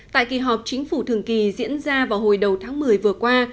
tại kỳ họp chính phủ thường kỳ diễn ra vào hồi đầu tháng một mươi vừa qua